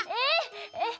えっ？